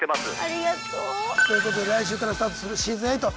ありがとう。ということで来週からスタートするシーズン８。